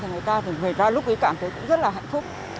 người ta thì người ta lúc ấy cảm thấy cũng rất là hạnh phúc